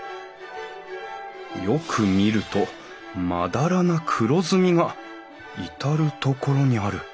よく見るとまだらな黒ずみが至る所にある。